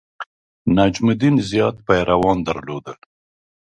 نجم الدین زیات پیروان درلودل.